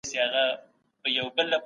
کیسې یې د ستونزو حل ته ځانګړې وې.